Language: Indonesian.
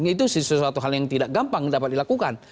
itu sesuatu hal yang tidak gampang dapat dilakukan